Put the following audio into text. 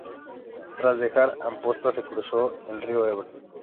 Tras dejar Amposta se cruza el río Ebro.